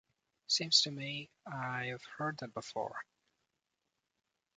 Seems to me I've heard that before.